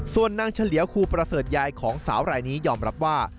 ส่วนนางเฉลียวครูประเสริฐยายของสาวรายนี้ยอมรับว่า